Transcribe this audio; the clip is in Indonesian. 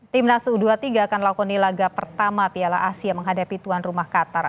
timnas u dua puluh tiga akan lakoni laga pertama piala asia menghadapi tuan rumah qatar